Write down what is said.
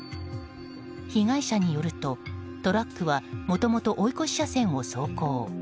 被害者によると、トラックはもともと追い越し車線を走行。